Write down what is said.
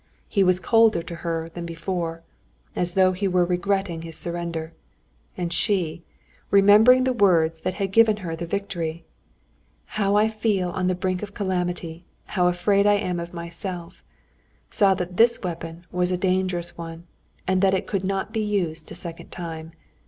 He was colder to her than before, as though he were regretting his surrender. And she, remembering the words that had given her the victory, "how I feel on the brink of calamity, how afraid I am of myself," saw that this weapon was a dangerous one, and that it could not be used a second time.